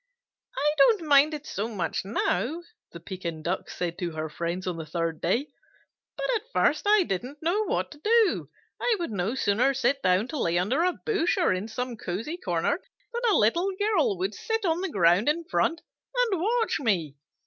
"I don't mind it so much now," the Pekin Duck said to her friends on the third day, "but at first I didn't know what to do. I would no sooner sit down to lay under a bush or in some cosy corner than a Little Girl would sit on the ground in front and watch me.